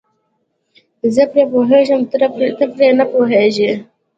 زه پرې پوهېږم ته پرې نه پوهیږې.